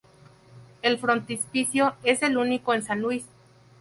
El frontispicio: es el único en San Luis.